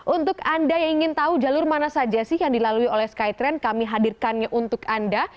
untuk anda yang ingin tahu jalur mana saja sih yang dilalui oleh skytrain kami hadirkannya untuk anda